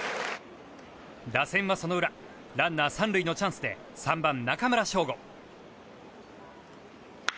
打線はその裏ランナー３塁のチャンスで３番、中村奨吾。